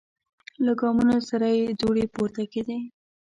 له ګامونو سره یې دوړې پورته کیدې.